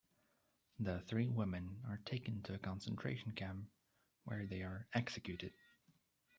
The three women are taken to a concentration camp, where they are executed.